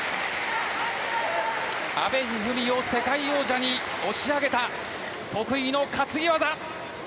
阿部一二三を世界王者に押し上げた得意の担ぎ技。